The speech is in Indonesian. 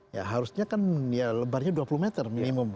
ya harusnya kan ya lebarnya dua puluh meter minimum